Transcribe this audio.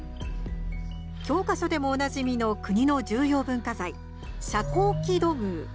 教科書でもおなじみの国の重要文化財、遮光器土偶。